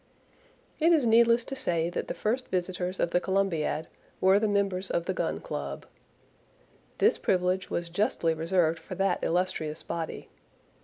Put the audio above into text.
It is needless to say that the first visitors of the Columbiad were the members of the Gun Club. This privilege was justly reserved for that illustrious body.